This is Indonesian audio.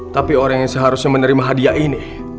tapi orang yang seharusnya menerima hadiah ini